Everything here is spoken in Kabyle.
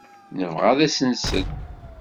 Nebɣa ad as-nsel.